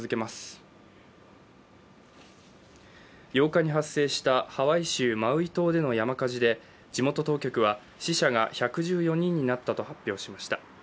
８日に発生したハワイ州マウイ島での山火事で、地元当局は死者が１１４人になったと発表しました。